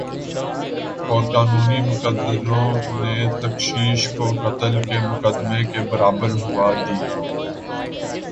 اور قانونی مقتدروں نے تفتیش کو قتل کے مقدمے کے برابر ہوا دی